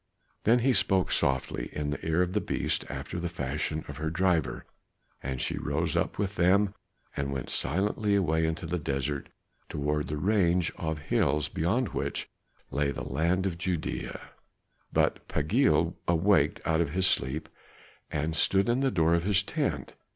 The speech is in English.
Then he spoke softly in the ear of the beast after the fashion of her driver; and she rose up with them, and went silently away into the desert towards the range of hills, beyond which lay the land of Judæa. But Pagiel awaked out of his sleep and stood in the door of his tent.